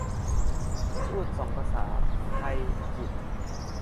พูดสองภาษา ไทย-อังกฤษ ?